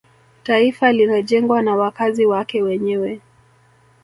taifa linajengwa na wakazi wake wenyewe